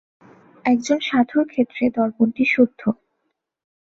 একজন সাধুর ক্ষেত্রে দর্পণটি শুদ্ধ।